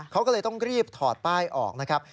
เขาก็เลยต้องรีบถอดป้ายออกนะครับ